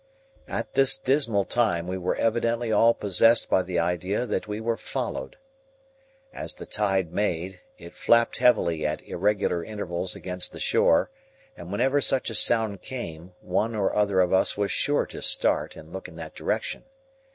At this dismal time we were evidently all possessed by the idea that we were followed. As the tide made, it flapped heavily at irregular intervals against the shore; and whenever such a sound came, one or other of us was sure to start, and look in that direction.